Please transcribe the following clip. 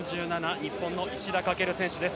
日本の石田駆選手です。